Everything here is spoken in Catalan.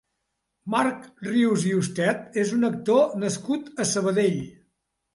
Marc Rius i Ustet és un actor nascut a Sabadell.